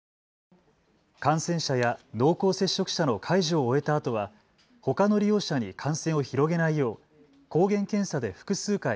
感染者や濃厚接触者の介助を終えたあとはほかの利用者に感染を広げないよう抗原検査で複数回